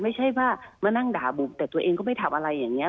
ไม่ใช่ว่ามานั่งด่าบุ๋มแต่ตัวเองก็ไม่ทำอะไรอย่างนี้